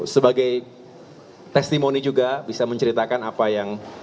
sebagai testimoni juga bisa menceritakan apa yang